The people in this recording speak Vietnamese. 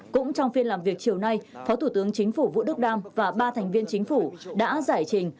cũng trong phiên làm việc chiều nay phó thủ tướng chính phủ vũ đức đam và ba thành viên chính phủ đã giải trình